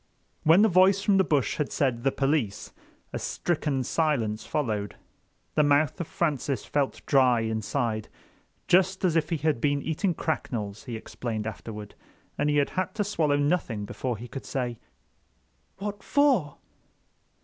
When the voice from the bush had said "The police," a stricken silence followed. The mouth of Francis felt dry inside, just as if he had been eating cracknels, he explained afterward, and he had to swallow nothing before he could say: "What for?"